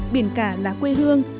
biển cả là quê hương